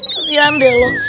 kesian deh lu